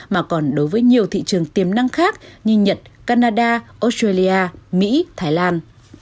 mà còn đối với nhiều thị trường tiềm năng khác như nhật canada australia mỹ thái lan